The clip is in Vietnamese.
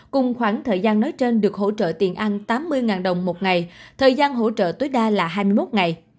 cùng khoảng thời gian nói trên được hỗ trợ tiền ăn tám mươi đồng một ngày thời gian hỗ trợ tối đa là hai mươi một ngày